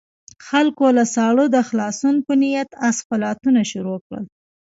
خلکو له ساړه د خلاصون په نيت اسخولاتونه شروع کړل.